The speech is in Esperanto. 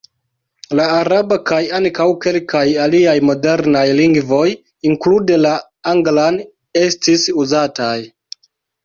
La araba kaj ankaŭ kelkaj aliaj modernaj lingvoj (inklude la anglan) estis uzataj.